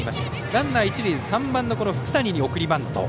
ランナー、一塁３番の福谷に送りバント。